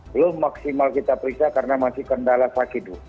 belum maksimal kita periksa karena masih kendala sakit